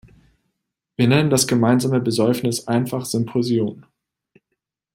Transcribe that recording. Wir nennen das gemeinsame Besäufnis einfach Symposion.